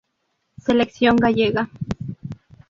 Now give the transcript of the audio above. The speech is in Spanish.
Selección Gallega.